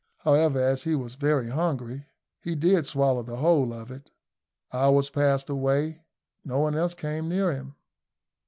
However, as he was very hungry, he did swallow the whole of it. Hours passed away; no one else came near him.